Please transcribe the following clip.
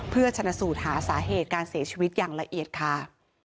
เพื่อชนะสูตรหาสาเหตุการเสียชีวิตอย่างละเอียดค่ะ